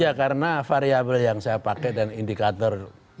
ya karena variabel yang saya pakai dan indikator